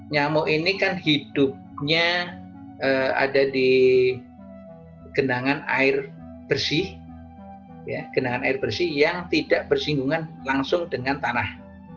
nyamuk ini hidupnya ada di gendangan air bersih yang tidak bersinggungan langsung dengan tanah